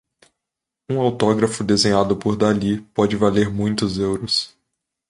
Um autógrafo desenhado por Dalí pode valer muitos euros.